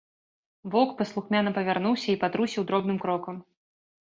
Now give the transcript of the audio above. Воўк паслухмяна павярнуўся і патрусіў дробным крокам.